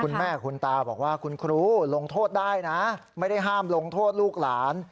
คุณแม่คุณตาบอกว่าคุณครูลงโทษได้นะไม่ได้ห้ามลงโทษลูกหลาน